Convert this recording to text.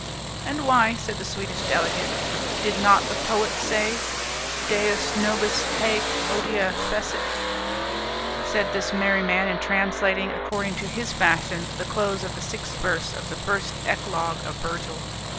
"And why," said the Swedish delegate? "Did not the poet say 'Deus nobis haec otia fecit,' " said this merryman in translating according to his fashion the close of the sixth verse of the first eclogue of Virgil.